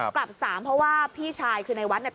กลับสามเพราะว่าพี่ชายคือในวัดเนี่ย